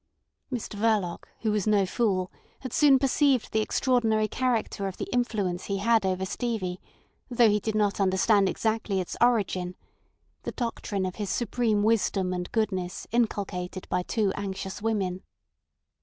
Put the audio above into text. Mr Verloc, who was no fool, had soon perceived the extraordinary character of the influence he had over Stevie, though he did not understand exactly its origin—the doctrine of his supreme wisdom and goodness inculcated by two anxious women.